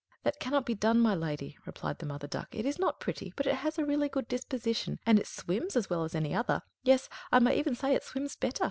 "That cannot be done, my lady," replied the Mother Duck. "It is not pretty, but it has a really good disposition, and swims as well as any other; yes, I may even say it, swims better.